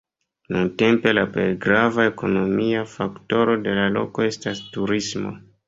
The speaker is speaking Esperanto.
Nuntempe la plej grava ekonomia faktoro de la loko estas turismo.